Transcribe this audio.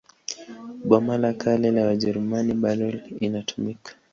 Boma la Kale la Wajerumani bado inatumika.